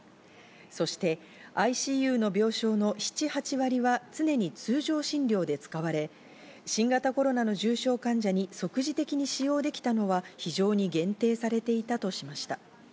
そしてＩＣＵの病床の７８割は常に通常診療で使われ、新型コロナの重症患者に即時的に使用できたのは非常に限定されていたとしました。